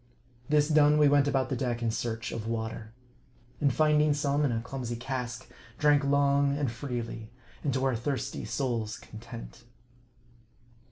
This done, we went about the deck in search of water. And finding some in a clumsy cask, drank long and freely, and to our thirsty souls' content.